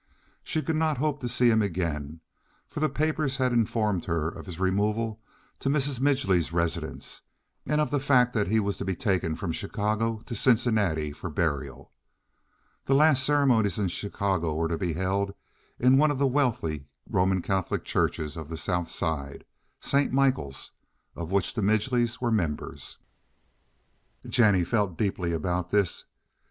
She could not hope to see him again, for the papers had informed her of his removal to Mrs. Midgely's residence, and of the fact that he was to be taken from Chicago to Cincinnati for burial. The last ceremonies in Chicago were to be held in one of the wealthy Roman Catholic churches of the South Side, St. Michael's, of which the Midgelys were members. Jennie felt deeply about this.